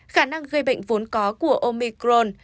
khả năng gây bệnh vốn có của omicron